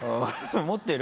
持ってる？